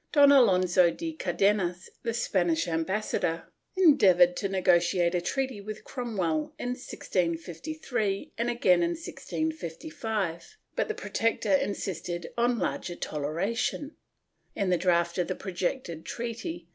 Don Alonso de Car denas, the Spanish ambassador, endeavored to negotiate a treaty with Cromwell in 1653 and again in 1655, but the Protector insisted on larger toleration. In the draft of the projected treaty.